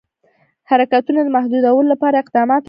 حرکتونو د محدودولو لپاره اقدامات روان وه.